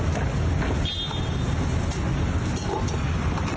กลับเป็นเรื่องที่ไอกมัยไม่รู้สักที